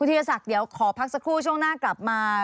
ธีรศักดิ์เดี๋ยวขอพักสักครู่ช่วงหน้ากลับมา